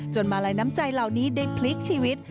มาลัยน้ำใจเหล่านี้ได้พลิกชีวิต